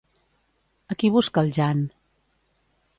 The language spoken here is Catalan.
A qui busca el Jan?